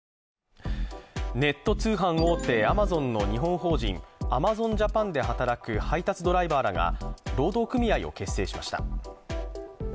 ネット通販大手アマゾンの日本法人アマゾン・ジャパンで働く配達ドライバーらが労働組合を結成しました。